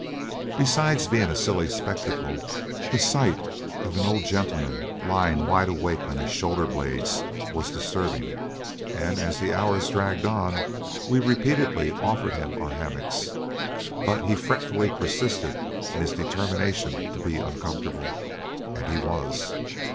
Besides being a silly spectacle, the sight of an old gentleman lying wide awake on his shoulder blades was disturbing, and as the hours dragged on we repeatedly offered him our hammocks. But he fretfully persisted in his determination to be uncomfortable. And he was.